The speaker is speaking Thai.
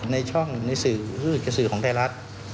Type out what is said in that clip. ในช่องในสื่อของไทยรัฐ